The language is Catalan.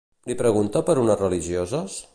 Li pregunta per unes religioses?